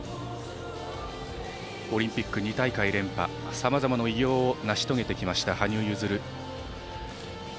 オリンピック２大会連覇さまざまな偉業を成し遂げてきました羽生結弦。